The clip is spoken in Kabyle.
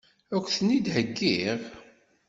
Ad k-ten-id-heggiɣ?